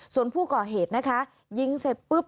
ส่วนผู้ก่อเหตุนะคะยิงเสร็จปุ๊บ